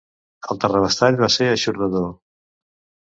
El terrabastall va ser eixordador.